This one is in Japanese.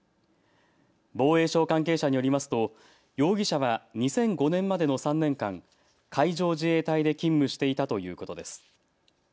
防衛省関係者によりますと容疑者は２００５年までの３年間、海上自衛隊で勤務していたということです。